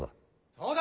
そうだ！